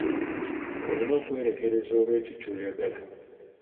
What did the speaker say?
Olina okwerekereza olw'ekyo ky'oyagala.